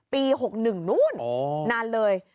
ปี๖๑นู่นนานเลย